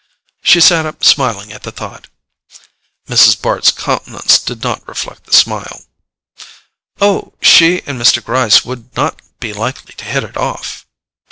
She sat up smiling at the thought. Miss Bart's countenance did not reflect the smile. "Oh, she and Mr. Gryce would not be likely to hit it off."